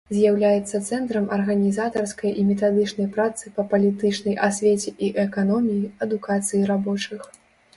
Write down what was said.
З'яўляецца цэнтрам арганізатарскай і метадычнай працы па палітычнай асвеце і эканоміі, адукацыі рабочых.